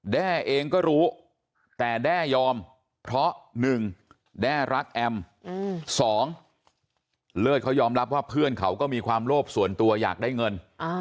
แด้เองก็รู้แต่แด้ยอมเพราะ๑แด้รักแอม๒เลิศเขายอมรับว่าเพื่อนเขาก็มีความโลภส่วนตัวอยากได้เงิน